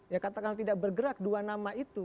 ya katakan tidak bergerak dua nama itu